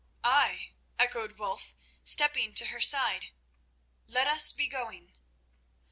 "Ay," echoed Wulf, stepping to her side, "let us be going."